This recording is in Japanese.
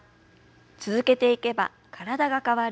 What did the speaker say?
続けていけば体が変わる。